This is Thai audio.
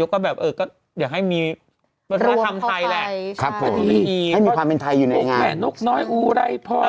พวกเขายังคิดอยู่มันจะง่ายอยู่ตรงไหน